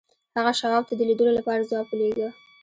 هغه شواب ته د لیدلو لپاره ځواب ولېږه